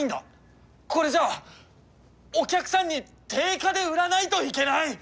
これじゃお客さんに定価で売らないといけない！